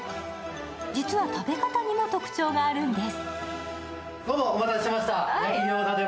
実は食べ方にも特徴があるんです。